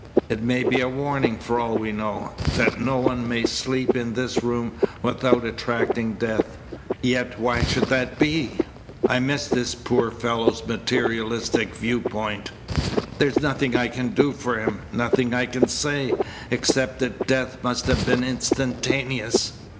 "It may be a warning, for all we know, that no one may sleep in this room without attracting death. Yet why should that be? I miss this poor fellow's materialistic viewpoint. There's nothing I can do for him, nothing I can say, except that death must have been instantaneous.